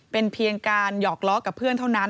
เป็นเพียงการหยอกล้อกับเพื่อนเท่านั้น